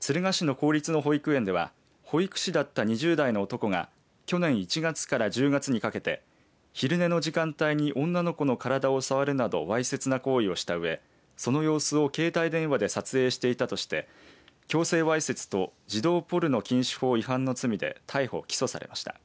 敦賀市の公立の保育園では保育士だった２０代の男が去年１月から１０月にかけて昼寝の時間帯に女の子の体を触るなど、わいせつな行為をしたうえその様子を携帯電話で撮影していたとして強制わいせつと児童ポルノ禁止法違反の罪で逮捕、起訴されました。